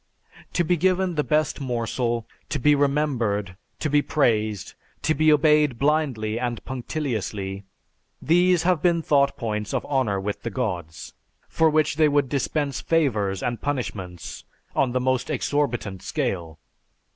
To be given the best morsel, to be remembered, to be praised, to be obeyed blindly and punctiliously, these have been thought points of honor with the gods, for which they would dispense favors and punishments on the most exhorbitant scale....